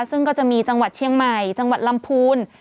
ซึ่งก็จะมีจังหวัดเชียงใหม่จังหวัดลำพูน